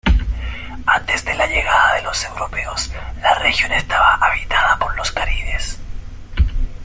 Antes de la llegada de los europeos, la región estaba habitada por los caribes.